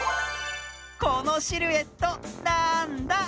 このシルエットなんだ？